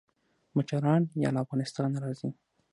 موټران يا له افغانستانه راځي.